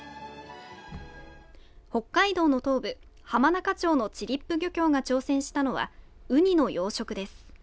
北海道の東部、浜中町の散布漁協が挑戦したのはウニの養殖です。